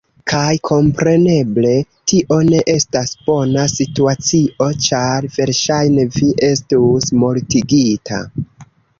Kaj kompreneble, tio ne estas bona situacio, ĉar verŝajne, vi estus mortigita.